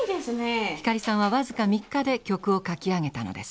光さんは僅か３日で曲を書き上げたのです。